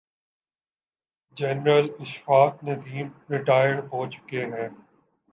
General Ashfaq Nadeem retire ہو چکے ہیں۔